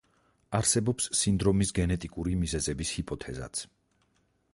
არსებობს სინდრომის გენეტიკური მიზეზების ჰიპოთეზაც.